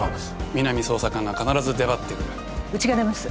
皆実捜査官が必ず出張ってくるうちが出ます